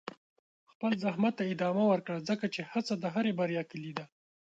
خپل زحمت ته ادامه ورکړه، ځکه چې هڅه د هرې بریا کلي ده.